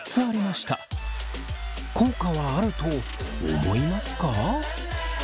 効果はあると思いますか？